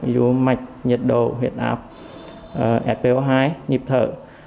ví dụ mạch nhiệt độ huyệt áp spo hai nhịp thở